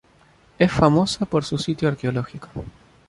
Es famosa por su sitio arqueológico.